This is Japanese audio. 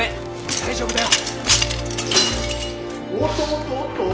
大丈夫だよ。